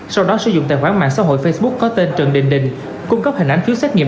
sau đó sử dụng tài khoản mạng xã hội facebook có tên trần đình đình cung cấp hình ảnh phiếu xét nghiệm